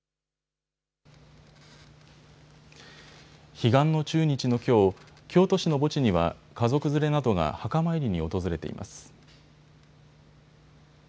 彼岸の中日のきょう、京都市の墓地には家族連れなどが墓参りに訪れています。